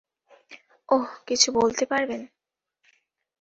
ওহ, কিছু বলতে পারবেন?